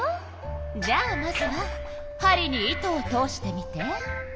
じゃあまずは針に糸を通してみて。